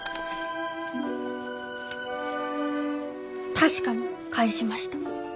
確かに返しました。